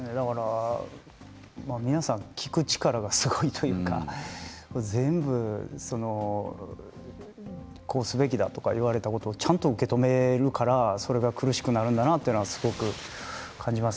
皆さん聞く力がすごいというか全部こうするべきだと言われたことを受け止めているから苦しくなるんだなということはすごく感じます。